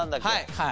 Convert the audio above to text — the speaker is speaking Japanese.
はい。